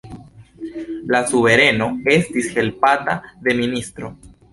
La suvereno estis helpata de ministro.